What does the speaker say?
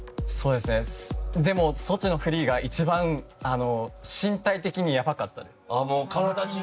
でもソチのフリーが一番身体的にやばかったです。